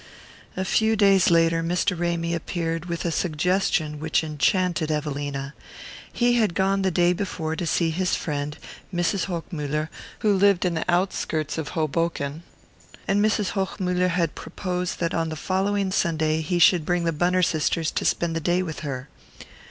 A few days later Mr. Ramy appeared with a suggestion which enchanted Evelina. He had gone the day before to see his friend, Mrs. Hochmuller, who lived in the outskirts of Hoboken, and Mrs. Hochmuller had proposed that on the following Sunday he should bring the Bunner sisters to spend the day with her.